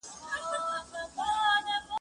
سیوري ډېر تر موږه مخکې